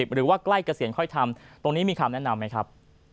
ใกล้เกษียณค่อยทำตรงนี้มีคำแนะนำไหมครับ